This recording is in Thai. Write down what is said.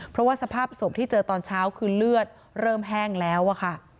เพราะว่าสภาพศพที่เจอตอนเช้าคือเลือดเริ่มแห้งแล้วอะค่ะ